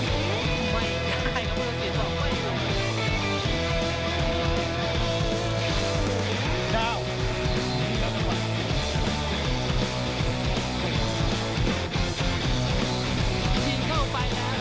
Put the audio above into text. สวัสดีครับ